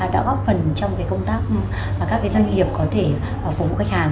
đã góp phần trong cái công tác mà các cái doanh nghiệp có thể phục vụ khách hàng